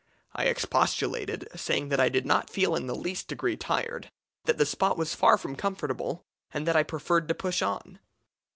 I expostulated, saying that I did not feel in the least degree tired, that the spot was far from comfortable, and that I preferred to push on.